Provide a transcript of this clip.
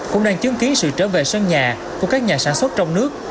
cũng đang chứng kiến sự trở về sân nhà của các nhà sản xuất trong nước